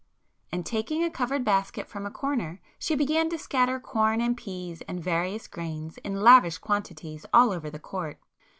and taking a covered basket from a corner she began to scatter corn and peas and [p 234] various grains in lavish quantities all over the court.